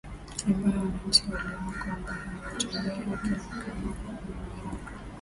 ambayo wananchi waliona kwamba haiwatendei haki na wakaamua kuiondoa madarakani